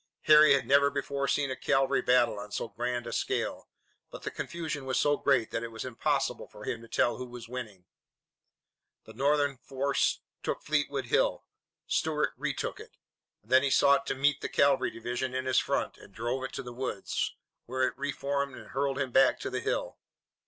Harry had never before seen a cavalry battle on so grand a scale, but the confusion was so great that it was impossible for him to tell who was winning. The Northern horse took Fleetwood Hill; Stuart retook it. Then he sought to meet the cavalry division in his front, and drove it to the woods, where it reformed and hurled him back to the hill.